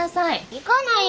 行かない！